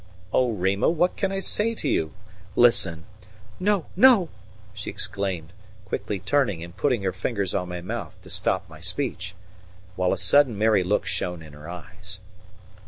"Oh, Rima, what can I say to you? Listen " "No, no," she exclaimed, quickly turning and putting her fingers on my mouth to stop my speech, while a sudden merry look shone in her eyes.